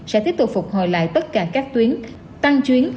sẽ tiếp tục phục hồi lại tất cả các tuyến tăng chuyến